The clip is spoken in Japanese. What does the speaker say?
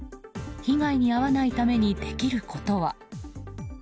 被害に遭わないためにできることは。